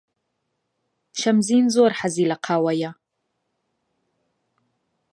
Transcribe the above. شەمزین زۆر حەزی لە قاوەیە.